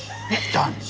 男子！